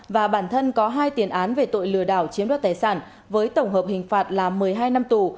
và bản thân có hai tiền án về tội lừa đảo chiếm đoạt tài sản với tổng hợp hình phạt là một mươi hai năm tù